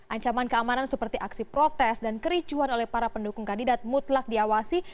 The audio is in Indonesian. ancaman keamanan seperti aksi protes dan kericuan oleh para pendukung kandidat mutlak diawasi